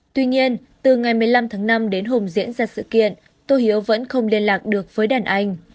tuy nhiên từ ngày một mươi năm tháng năm đến hùng diễn ra sự kiện tôi hiếu vẫn không liên lạc được với đàn anh